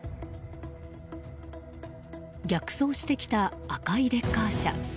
逆走してきた赤いレッカー車。